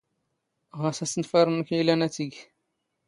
ⵖⴰⵙ ⴰⵙⵏⴼⴰⵔ ⵏⵏⴽ ⵉ ⵉⵍⴰⵏ ⴰⵜⵉⴳ.